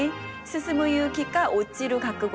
「進む勇気か落ちる覚悟か」。